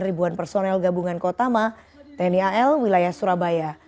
ribuan personel gabungan kotama tni al wilayah surabaya